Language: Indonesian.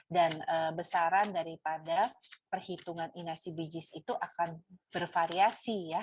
dan besaran daripada perhitungan inasi bijis itu akan bervariasi